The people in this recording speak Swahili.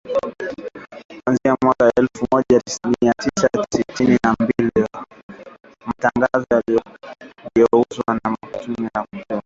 Kuanzia mwaka wa elfu moja mia tisa sitini na mbili, matangazo yaligeuzwa na kufanywa kipindi kilichotangazwa moja kwa moja.